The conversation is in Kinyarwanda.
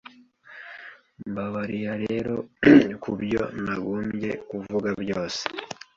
Mbabarira rero kubyo nagombye kuvuga byose!